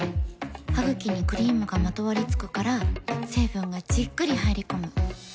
ハグキにクリームがまとわりつくから成分がじっくり入り込む。